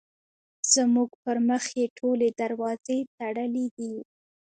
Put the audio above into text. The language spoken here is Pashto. زموږ پر مخ یې ټولې دروازې تړلې دي.